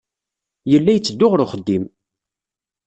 Yella yetteddu ɣer uxeddim.